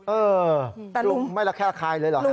เออแต่ลุงไม่รักฆ่าใครเลยหรือครับ